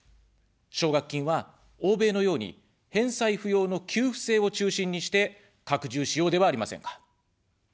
奨学金は、欧米のように返済不要の給付制を中心にして、拡充しようではありませんか。